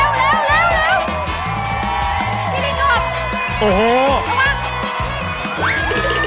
พี่ลิ้งโดบโอ้โหระวัง